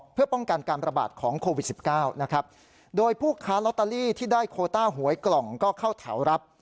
เพื่อป้องกันการประบาดของโควิดสิบเก้านะครับโดยผู้ค้าลอตเตอรี่ที่ได้โคต้าหวยกล่องก็เข้าแถวรับ